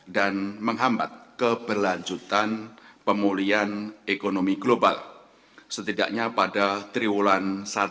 dan menghambat keberlanjutan pemulihan ekonomi global setidaknya pada triwulan satu dua ribu dua puluh